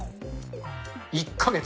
１か月。